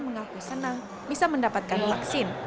mengaku senang bisa mendapatkan vaksin